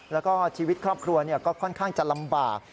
แล้วก็ชีวิตครอบครัวก็ค่อนข้างจะลำบาก